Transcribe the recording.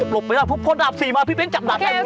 หลบไปครับพอดาบสี่มาพี่เบ้นจับดาแทน